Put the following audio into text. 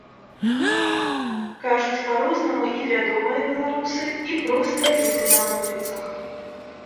Кажуць па-рознаму і вядомыя беларусы, і простыя людзі на вуліцах.